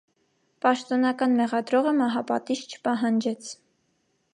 Պաշտոնական մեղադրողը մահապատիժ չպահանջեց։